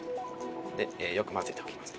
よく混ぜておきます。